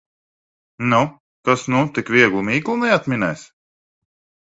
Nu, kas nu tik vieglu mīklu neatminēs!